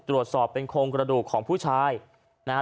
ตรวจสอบเป็นโครงกระดูกของผู้ชายนะฮะ